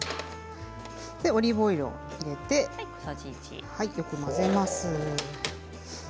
オリーブオイルを入れてよく混ぜます。